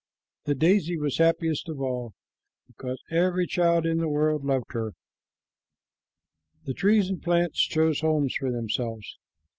The daisy was happiest of all because every child in the world loved her. The trees and plants chose homes for themselves.